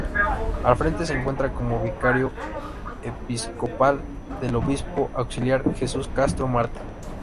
Al frente se encuentra como vicario episcopal, el obispo auxiliar Jesús Castro Marte.